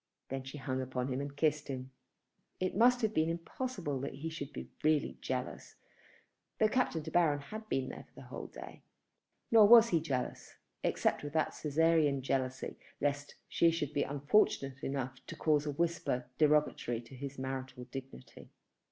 Then she hung upon him and kissed him. It must have been impossible that he should be really jealous, though Captain De Baron had been there the whole day. Nor was he jealous, except with that Cæsarian jealousy lest she should be unfortunate enough to cause a whisper derogatory to his marital dignity.